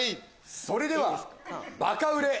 それではバカ売れ。